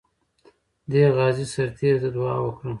دې غازي سرتیري ته دعا وکړه.